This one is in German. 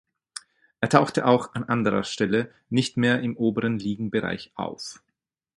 Er tauchte auch an anderer Stelle nicht mehr im oberen Ligenbereich auf.